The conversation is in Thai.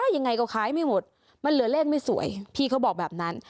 ยังไงก็ขายไม่หมดมันเหลือเลขไม่สวยพี่เขาบอกแบบนั้น